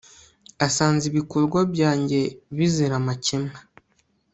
asanze ibikorwa byanjye bizira amakemwa